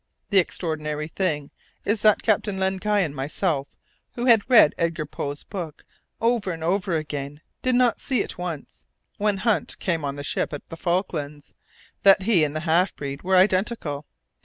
The extraordinary thing is that Captain Len Guy and myself, who had read Edgar Poe's book over and over again, did not see at once, when Hunt came on the ship at the Falklands, that he and the half breed were identical!